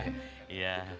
ya begitu dah